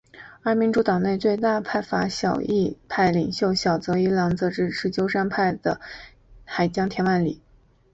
而民主党内最大派阀小泽派领袖小泽一郎则支持鸠山派的海江田万里。